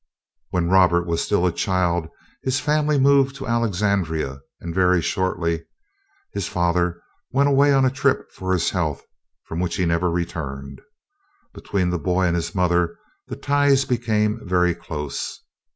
When Robert was still a child, his family moved to Alexandria, and very shortly his father went away on a trip for his health, from which he never returned. Between the boy and his mother the ties became very close.